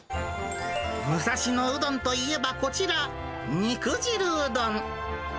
武蔵野うどんといえば、こちら、肉汁うどん。